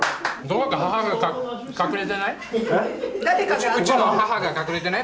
うちの母が隠れてない？